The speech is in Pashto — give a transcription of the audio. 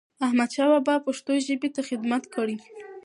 احمدشاه بابا پښتو ژبې ته خدمت کړی.